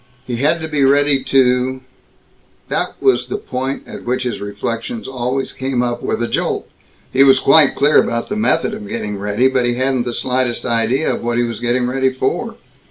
He had to be ready to That was the point at which his reflections always came up with a jolt. He was quite clear about the method of getting ready, but he hadn't the slightest idea of what he was getting ready for.